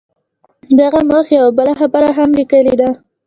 دغه مورخ یوه بله خبره هم لیکلې ده.